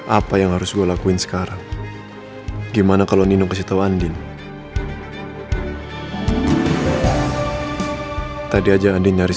apa yang harus gue lakuin sekarang gimana kalau nino kasih tahu andin tadi aja andin nyaris